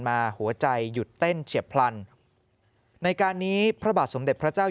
หัวใจหยุดเต้นเฉียบพลันในการนี้พระบาทสมเด็จพระเจ้า